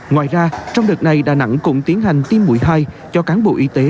ngoài ra trong đợt này đà nẵng cũng tiến hành tiêm mũi hai cho cán bộ y tế